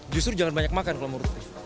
justru jangan banyak makan kalau menurut saya